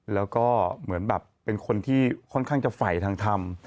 แล้วก็เหมือนแบบเป็นคนที่ค่อนข้างจะไฝ่ทางธรรม